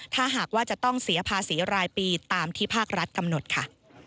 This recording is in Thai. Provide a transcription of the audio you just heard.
ถ้าหากว่าจะต้องเสียภาษีรายปีตามที่ภาครัฐกำหนดค่ะ